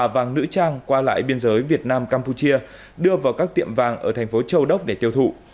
vàng nữ trang qua lại biên giới việt nam campuchia đưa vào các tiệm vàng ở thành phố châu đốc để tiêu thụ